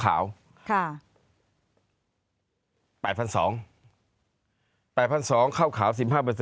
๘๒๐๐บาท๘๒๐๐บาทข้าวขาว๑๕